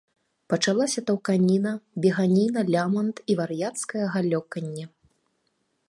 Пачалася таўканіна, беганіна, лямант і вар'яцкае галёканне.